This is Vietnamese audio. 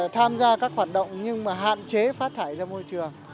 tham gia các hoạt động nhưng mà hạn chế phát thải ra môi trường